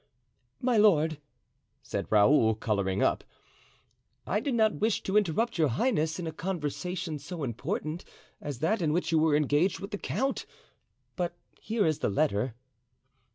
"My lord," said Raoul, coloring up, "I did not wish to interrupt your highness in a conversation so important as that in which you were engaged with the count. But here is the letter."